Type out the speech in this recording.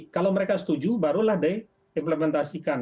kalau mereka setuju barulah diimplementasikan